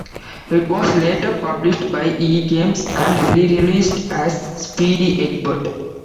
It was later published by eGames and re-released as "Speedy Eggbert".